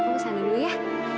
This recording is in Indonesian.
aku kesana dulu ya